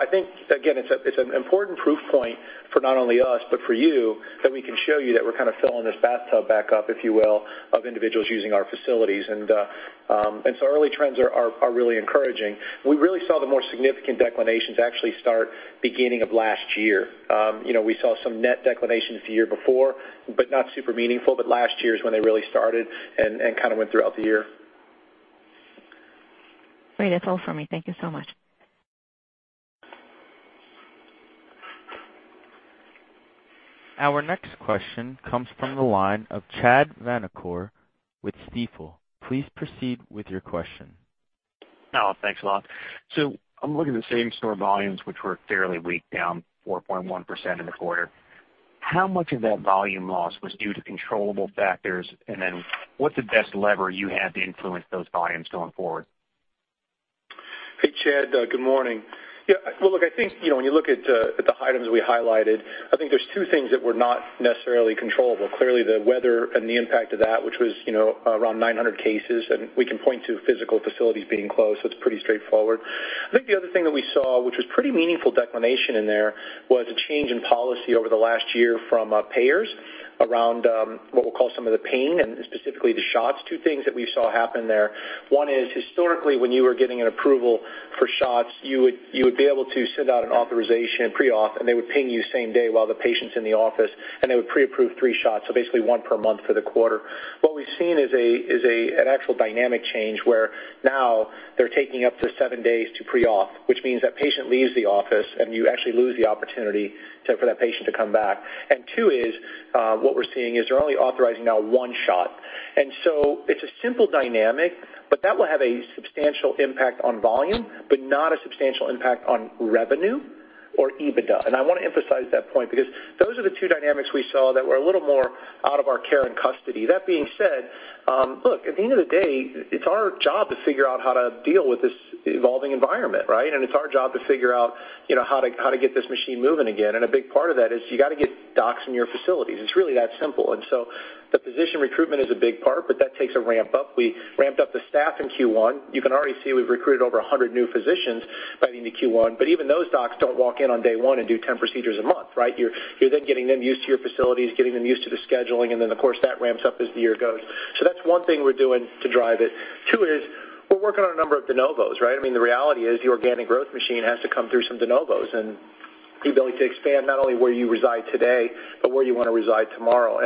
I think, again, it's an important proof point for not only us but for you that we can show you that we're kind of filling this bathtub back up, if you will, of individuals using our facilities. Early trends are really encouraging. We really saw the more significant declination to actually start beginning of last year. We saw some net declination the year before, but not super meaningful, but last year is when they really started and kind of went throughout the year. Great. That's all for me. Thank you so much. Our next question comes from the line of Chad Vanacore with Stifel. Please proceed with your question. Thanks a lot. I'm looking at same-store volumes, which were fairly weak, down 4.1% in the quarter. How much of that volume loss was due to controllable factors? What's the best lever you have to influence those volumes going forward? Hey, Chad, good morning. Yeah, well, look, I think when you look at the items we highlighted, I think there's two things that were not necessarily controllable. Clearly, the weather and the impact of that, which was around 900 cases, and we can point to physical facilities being closed, so it's pretty straightforward. I think the other thing that we saw, which was pretty meaningful declination in there, was a change in policy over the last year from payers around what we'll call some of the ping and specifically the shots. Two things that we saw happen there. One is historically, when you were getting an approval for shots, you would be able to send out an authorization pre-op, and they would ping you same day while the patient's in the office, and they would pre-approve three shots, so basically one per month for the quarter. What we've seen is an actual dynamic change where now they're taking up to seven days to pre-op, which means that patient leaves the office and you actually lose the opportunity for that patient to come back. Two is what we're seeing is they're only authorizing now one shot. It's a simple dynamic, but that will have a substantial impact on volume, but not a substantial impact on revenue. EBITDA. I want to emphasize that point, because those are the two dynamics we saw that were a little more out of our care and custody. That being said, look, at the end of the day, it's our job to figure out how to deal with this evolving environment, right? It's our job to figure out how to get this machine moving again. A big part of that is you got to get docs in your facilities. It's really that simple. The physician recruitment is a big part, but that takes a ramp-up. We ramped up the staff in Q1. You can already see we've recruited over 100 new physicians by the end of Q1, but even those docs don't walk in on day one and do 10 procedures a month, right? You're then getting them used to your facilities, getting them used to the scheduling, and then, of course, that ramps up as the year goes. That's one thing we're doing to drive it. Two is, we're working on a number of de novos, right? The reality is the organic growth machine has to come through some de novos, and the ability to expand not only where you reside today, but where you want to reside tomorrow.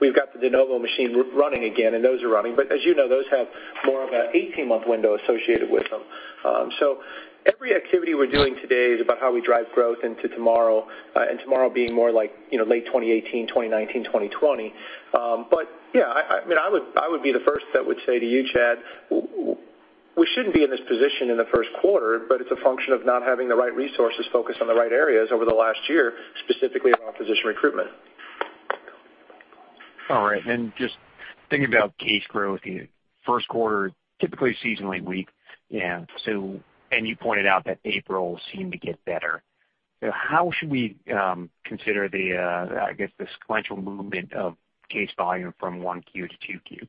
We've got the de novo machine running again, and those are running, but as you know, those have more of an 18-month window associated with them. Every activity we're doing today is about how we drive growth into tomorrow, and tomorrow being more like late 2018, 2019, 2020. Yeah, I would be the first that would say to you, Chad, we shouldn't be in this position in the first quarter, but it's a function of not having the right resources focused on the right areas over the last year, specifically around physician recruitment. All right. Just thinking about case growth, first quarter, typically seasonally weak. You pointed out that April seemed to get better. How should we consider the, I guess, the sequential movement of case volume from 1Q to 2Q?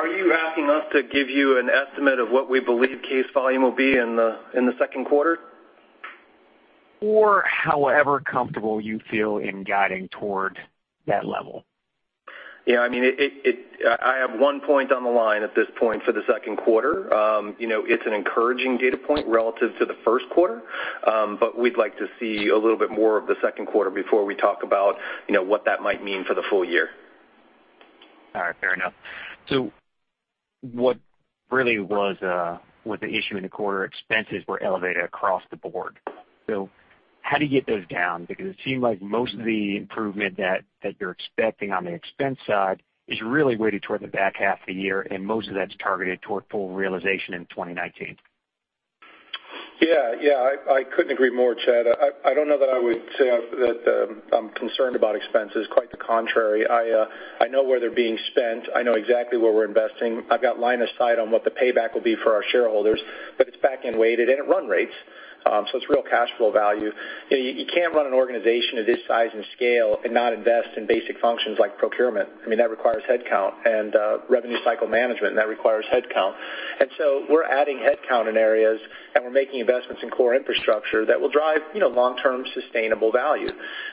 Are you asking us to give you an estimate of what we believe case volume will be in the second quarter? However comfortable you feel in guiding toward that level? Yeah, I have one point on the line at this point for the second quarter. It's an encouraging data point relative to the first quarter, but we'd like to see a little bit more of the second quarter before we talk about what that might mean for the full year. All right. Fair enough. What really was the issue in the quarter? Expenses were elevated across the board. How do you get those down? It seemed like most of the improvement that you're expecting on the expense side is really weighted toward the back half of the year, and most of that's targeted toward full realization in 2019. Yeah. I couldn't agree more, Chad. I don't know that I would say that I'm concerned about expenses. Quite the contrary. I know where they're being spent. I know exactly where we're investing. I've got line of sight on what the payback will be for our shareholders. It's back-end weighted, and at run rates, it's real cash flow value. You can't run an organization of this size and scale and not invest in basic functions like procurement. That requires headcount and revenue cycle management, and that requires headcount. We're adding headcount in areas, and we're making investments in core infrastructure that will drive long-term sustainable value.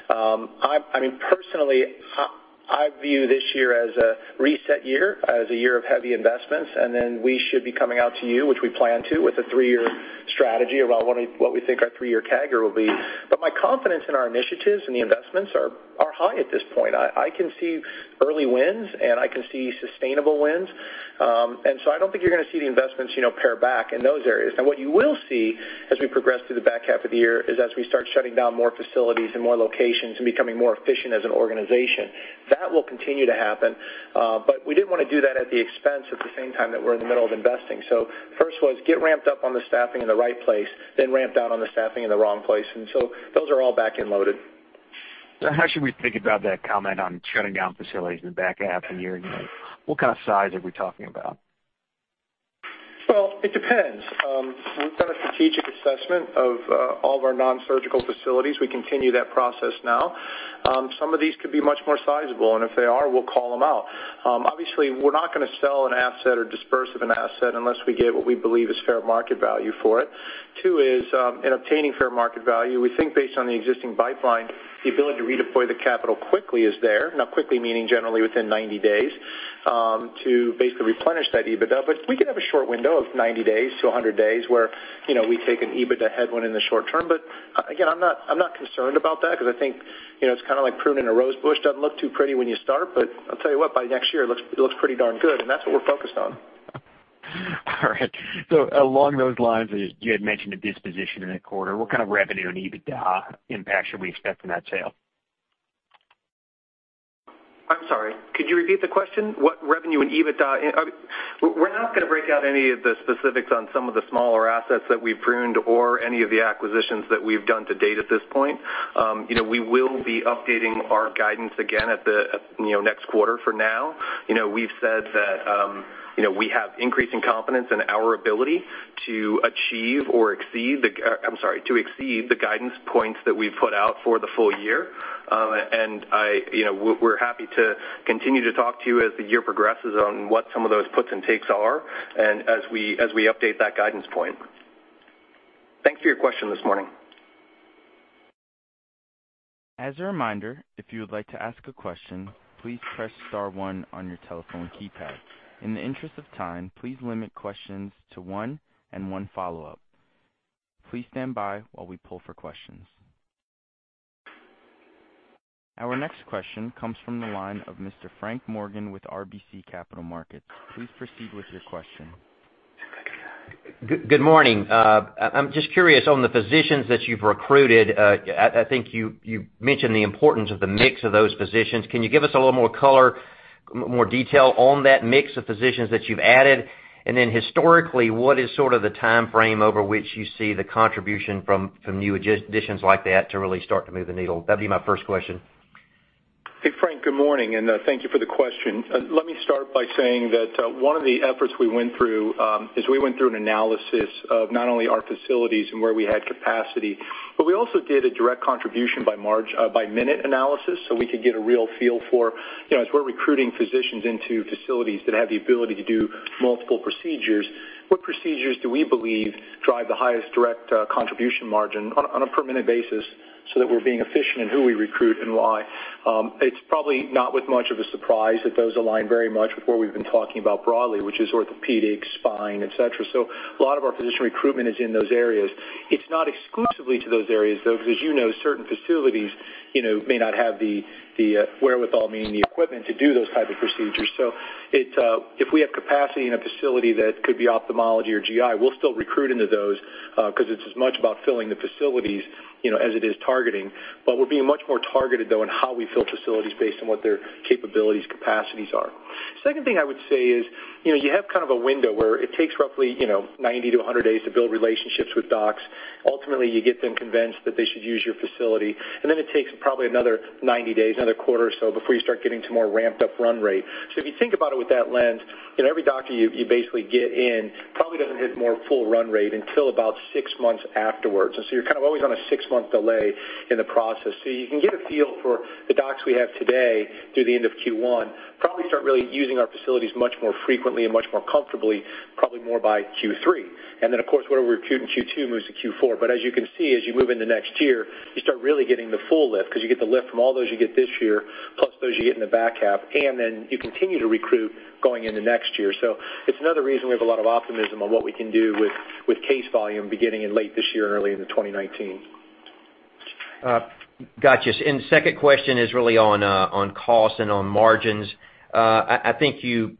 Personally, I view this year as a reset year, as a year of heavy investments, and then we should be coming out to you, which we plan to, with a three-year strategy around what we think our three-year CAGR will be. My confidence in our initiatives and the investments are high at this point. I can see early wins, and I can see sustainable wins. I don't think you're going to see the investments pare back in those areas. Now, what you will see as we progress through the back half of the year is as we start shutting down more facilities and more locations and becoming more efficient as an organization. That will continue to happen. We didn't want to do that at the expense at the same time that we're in the middle of investing. First was get ramped up on the staffing in the right place, then ramp down on the staffing in the wrong place. Those are all back-end loaded. How should we think about that comment on shutting down facilities in the back half of the year? What kind of size are we talking about? Well, it depends. We've done a strategic assessment of all of our non-surgical facilities. We continue that process now. Some of these could be much more sizable, and if they are, we'll call them out. Obviously, we're not going to sell an asset or dispose of an asset unless we get what we believe is fair market value for it. Two is, in obtaining fair market value, we think based on the existing pipeline, the ability to redeploy the capital quickly is there. Quickly meaning generally within 90 days to basically replenish that EBITDA. We could have a short window of 90-100 days where we take an EBITDA headwind in the short term, but again, I'm not concerned about that because I think it's kind of like pruning a rose bush. Doesn't look too pretty when you start, but I'll tell you what, by next year, it looks pretty darn good, and that's what we're focused on. Along those lines, you had mentioned a disposition in that quarter. What kind of revenue and EBITDA impact should we expect from that sale? I'm sorry, could you repeat the question? We're not going to break out any of the specifics on some of the smaller assets that we've pruned or any of the acquisitions that we've done to date at this point. We will be updating our guidance again at the next quarter. For now, we've said that we have increasing confidence in our ability to exceed the guidance points that we've put out for the full year. We're happy to continue to talk to you as the year progresses on what some of those puts and takes are and as we update that guidance point. Thanks for your question this morning. As a reminder, if you would like to ask a question, please press star one on your telephone keypad. In the interest of time, please limit questions to one and one follow-up. Please stand by while we pull for questions. Our next question comes from the line of Mr. Frank Morgan with RBC Capital Markets. Please proceed with your question. Good morning. I'm just curious on the physicians that you've recruited, I think you mentioned the importance of the mix of those physicians. Can you give us a little more color? More detail on that mix of physicians that you've added. Historically, what is sort of the timeframe over which you see the contribution from new additions like that to really start to move the needle? That'd be my first question. Hey, Frank, good morning, and thank you for the question. Let me start by saying that one of the efforts we went through is we went through an analysis of not only our facilities and where we had capacity, but we also did a direct contribution by minute analysis, so we could get a real feel for as we're recruiting physicians into facilities that have the ability to do multiple procedures, what procedures do we believe drive the highest direct contribution margin on a per-minute basis so that we're being efficient in who we recruit and why. It's probably not with much of a surprise that those align very much with what we've been talking about broadly, which is orthopedics, spine, et cetera. A lot of our physician recruitment is in those areas. It's not exclusively to those areas, though, because, as you know, certain facilities may not have the wherewithal, meaning the equipment to do those type of procedures. If we have capacity in a facility that could be ophthalmology or GI, we'll still recruit into those, because it's as much about filling the facilities as it is targeting. We're being much more targeted, though, on how we fill facilities based on what their capabilities, capacities are. Second thing I would say is you have a window where it takes roughly 90 to 100 days to build relationships with docs. Ultimately, you get them convinced that they should use your facility, and then it takes probably another 90 days, another quarter or so before you start getting to more ramped-up run rate. If you think about it with that lens, every doctor you basically get in probably doesn't hit more full run rate until about six months afterwards. You're always on a six-month delay in the process. You can get a feel for the docs we have today through the end of Q1 probably start really using our facilities much more frequently and much more comfortably, probably more by Q3. Of course, what we recruit in Q2 moves to Q4. As you can see, as you move into next year, you start really getting the full lift because you get the lift from all those you get this year, plus those you get in the back half, and then you continue to recruit going into next year. It's another reason we have a lot of optimism on what we can do with case volume beginning in late this year and early into 2019. Got you. Second question is really on cost and on margins. I think you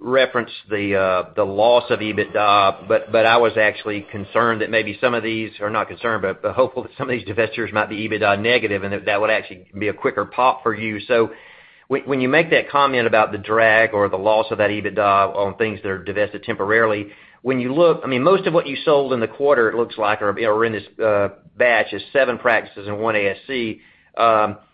referenced the loss of EBITDA, but I was actually concerned that maybe some of these, or not concerned, but hopeful that some of these divestitures might be EBITDA negative and that that would actually be a quicker pop for you. When you make that comment about the drag or the loss of that EBITDA on things that are divested temporarily, when you look, most of what you sold in the quarter, it looks like, or in this batch is seven practices and one ASC.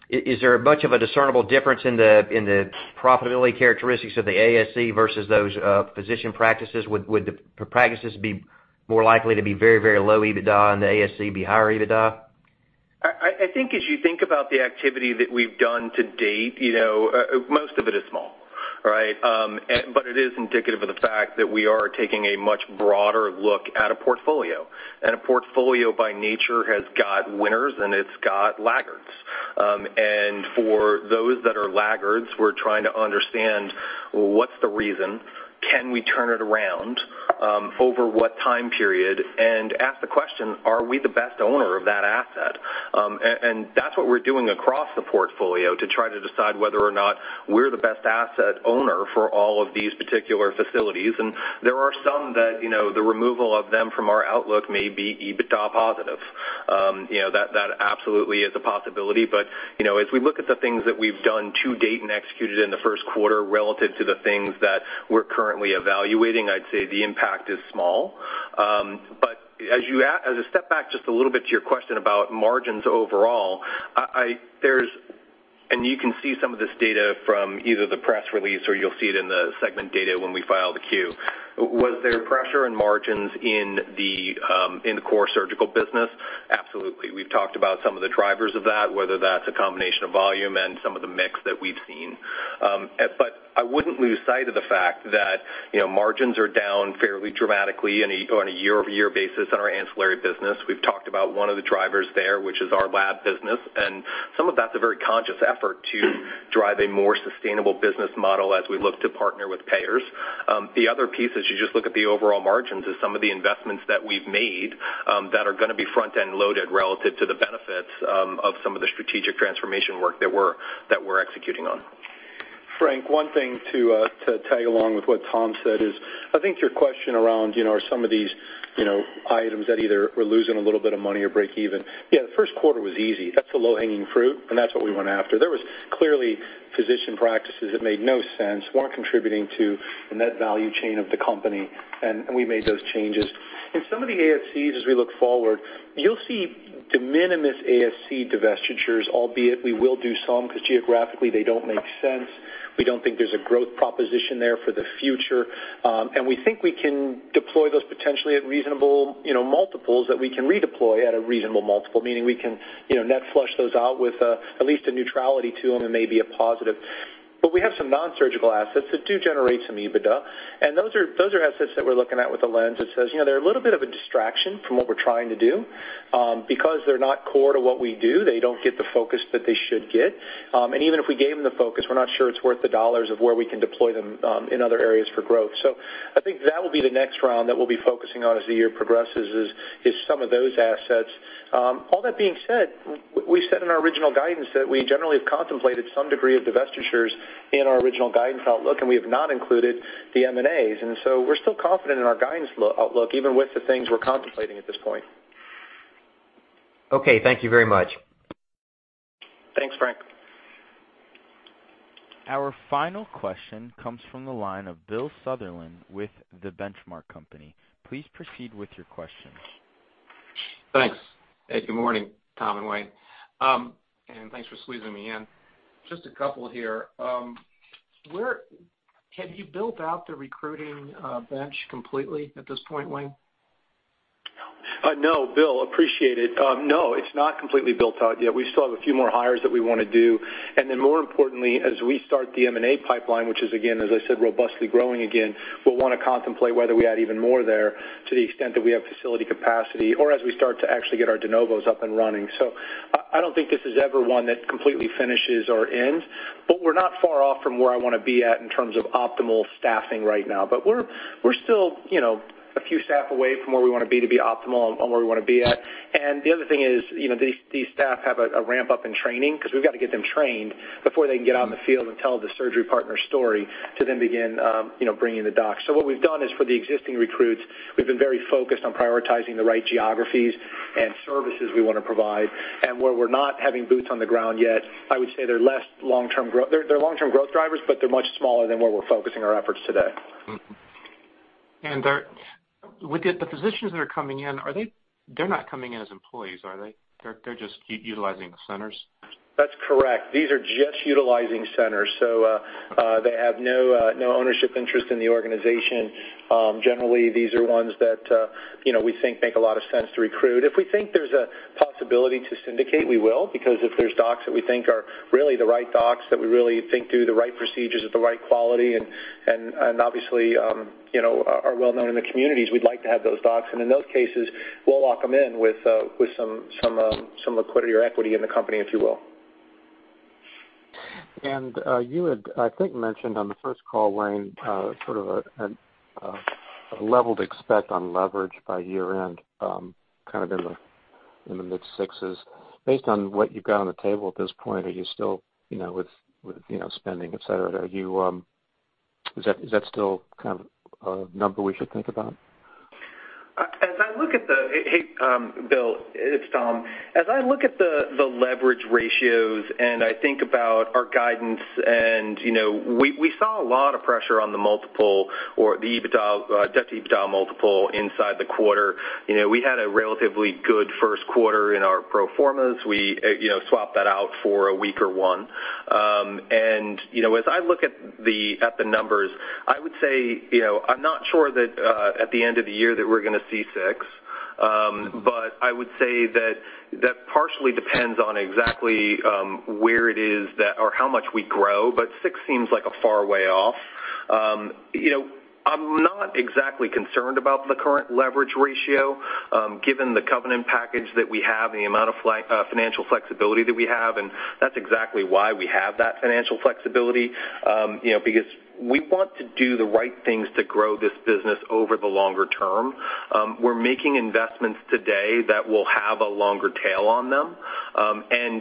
Is there much of a discernible difference in the profitability characteristics of the ASC versus those physician practices? Would the practices be more likely to be very low EBITDA and the ASC be higher EBITDA? I think as you think about the activity that we've done to date, most of it is small. It is indicative of the fact that we are taking a much broader look at a portfolio. A portfolio, by nature, has got winners and it's got laggards. For those that are laggards, we're trying to understand what's the reason, can we turn it around, over what time period, and ask the question, are we the best owner of that asset? That's what we're doing across the portfolio to try to decide whether or not we're the best asset owner for all of these particular facilities. There are some that the removal of them from our outlook may be EBITDA positive. That absolutely is a possibility. As we look at the things that we've done to date and executed in the first quarter relative to the things that we're currently evaluating, I'd say the impact is small. As a step back just a little bit to your question about margins overall, and you can see some of this data from either the press release or you'll see it in the segment data when we file the Q. Was there pressure in margins in the core surgical business? Absolutely. We've talked about some of the drivers of that, whether that's a combination of volume and some of the mix that we've seen. I wouldn't lose sight of the fact that margins are down fairly dramatically on a year-over-year basis on our ancillary business. We've talked about one of the drivers there, which is our lab business, and some of that's a very conscious effort to drive a more sustainable business model as we look to partner with payers. The other piece, as you just look at the overall margins, is some of the investments that we've made that are going to be front-end loaded relative to the benefits of some of the strategic transformation work that we're executing on. Frank, one thing to tag along with what Tom said is I think to your question around are some of these items that either we're losing a little bit of money or break even. Yeah, the first quarter was easy. That's the low-hanging fruit, and that's what we went after. There was clearly physician practices that made no sense, weren't contributing to the net value chain of the company, and we made those changes. In some of the ASCs as we look forward, you'll see de minimis ASC divestitures, albeit we will do some because geographically they don't make sense. We don't think there's a growth proposition there for the future. We think we can deploy those potentially at reasonable multiples that we can redeploy at a reasonable multiple, meaning we can net flush those out with at least a neutrality to them and maybe a positive. We have some non-surgical assets that do generate some EBITDA. Those are assets that we're looking at with a lens that says they're a little bit of a distraction from what we're trying to do. Because they're not core to what we do, they don't get the focus that they should get. Even if we gave them the focus, we're not sure it's worth the dollars of where we can deploy them in other areas for growth. I think that will be the next round that we'll be focusing on as the year progresses is some of those assets. All that being said, we said in our original guidance that we generally have contemplated some degree of divestitures in our original guidance outlook. We have not included the M&As. We're still confident in our guidance outlook, even with the things we're contemplating at this point. Okay. Thank you very much. Thanks, Frank. Our final question comes from the line of Bill Sutherland with The Benchmark Company. Please proceed with your questions. Thanks. Good morning, Tom and Wayne, and thanks for squeezing me in. Just a couple here. Have you built out the recruiting bench completely at this point, Wayne? No, Bill. Appreciate it. No, it's not completely built out yet. We still have a few more hires that we want to do. More importantly, as we start the M&A pipeline, which is, again, as I said, robustly growing again, we'll want to contemplate whether we add even more there to the extent that we have facility capacity or as we start to actually get our de novos up and running. I don't think this is ever one that completely finishes or ends, but we're not far off from where I want to be at in terms of optimal staffing right now. We're still a few staff away from where we want to be to be optimal and where we want to be at. The other thing is, these staff have a ramp-up in training because we've got to get them trained before they can get out in the field and tell the Surgery Partners story to then begin bringing the docs. What we've done is for the existing recruits, we've been very focused on prioritizing the right geographies and services we want to provide. Where we're not having boots on the ground yet, I would say they're long-term growth drivers, but they're much smaller than where we're focusing our efforts today. With the physicians that are coming in, they're not coming in as employees, are they? They're just utilizing centers? That's correct. These are just utilizing centers. They have no ownership interest in the organization. Generally, these are ones that we think make a lot of sense to recruit. If we think there's a possibility to syndicate, we will, because if there's docs that we think are really the right docs, that we really think do the right procedures at the right quality and obviously are well-known in the communities, we'd like to have those docs. In those cases, we'll lock them in with some liquidity or equity in the company, if you will. You had, I think, mentioned on the first call, Wayne, sort of a level to expect on leverage by year-end, kind of in the mid-6s. Based on what you've got on the table at this point, with spending, et cetera, is that still kind of a number we should think about? Bill, it's Tom. I look at the leverage ratios, I think about our guidance and we saw a lot of pressure on the multiple or the debt to EBITDA multiple inside the quarter. We had a relatively good first quarter in our pro formas. We swapped that out for a weaker one. I look at the numbers, I would say, I'm not sure that at the end of the year that we're going to see six. I would say that partially depends on exactly where it is or how much we grow, but six seems like a far way off. I'm not exactly concerned about the current leverage ratio, given the covenant package that we have and the amount of financial flexibility that we have, and that's exactly why we have that financial flexibility, because we want to do the right things to grow this business over the longer term. We're making investments today that will have a longer tail on them.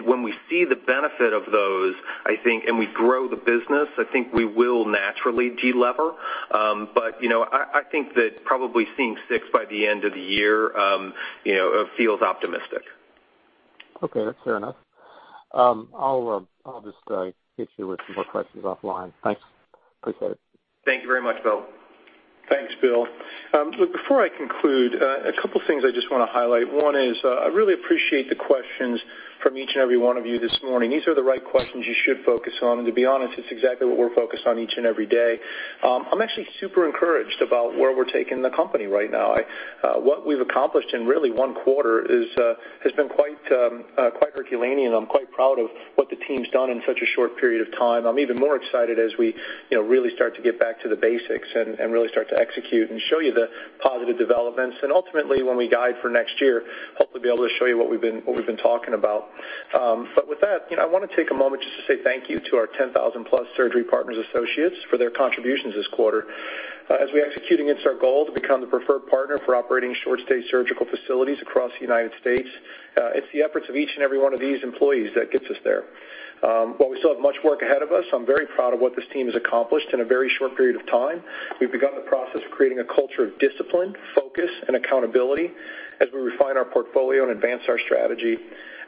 When we see the benefit of those, I think, and we grow the business, I think we will naturally delever. I think that probably seeing six by the end of the year feels optimistic. Okay, that's fair enough. I'll just hit you with some more questions offline. Thanks. Appreciate it. Thank you very much, Bill. Thanks, Bill. Look, before I conclude, a couple of things I just want to highlight. One is, I really appreciate the questions from each and every one of you this morning. These are the right questions you should focus on. To be honest, it's exactly what we're focused on each and every day. I'm actually super encouraged about where we're taking the company right now. What we've accomplished in really one quarter has been quite herculean, and I'm quite proud of what the team's done in such a short period of time. I'm even more excited as we really start to get back to the basics and really start to execute and show you the positive developments. Ultimately, when we guide for next year, hopefully be able to show you what we've been talking about. With that, I want to take a moment just to say thank you to our 10,000 plus Surgery Partners associates for their contributions this quarter. As we execute against our goal to become the preferred partner for operating short-stay surgical facilities across the United States, it's the efforts of each and every one of these employees that gets us there. While we still have much work ahead of us, I'm very proud of what this team has accomplished in a very short period of time. We've begun the process of creating a culture of discipline, focus, and accountability as we refine our portfolio and advance our strategy.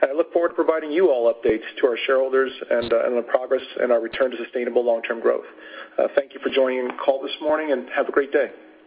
I look forward to providing you all updates to our shareholders and the progress and our return to sustainable long-term growth. Thank you for joining the call this morning, and have a great day.